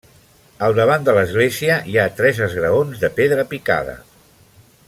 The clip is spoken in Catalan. Al davant de l'església hi ha tres esgraons de pedra picada.